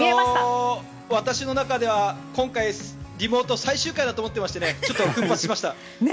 私の中では今回、リモート最終回だと思ってましてちょっと奮発しました。